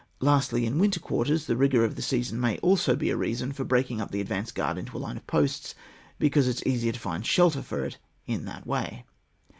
Lastly, in winter quarters, the rigour of the season may also be a reason for breaking up the advanced guard into a line of posts, because it is easier to find shelter for it in that way.